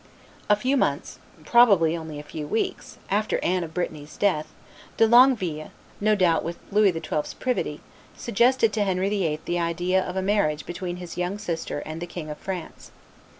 A few months, probably only a few weeks, after Anne of Brittany's death, De Longueville, no doubt with Louis XII.'s privity, suggested to Henry VIII. the idea of a marriage between his young sister and the King o France.